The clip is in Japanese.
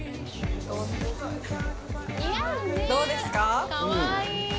どうですか？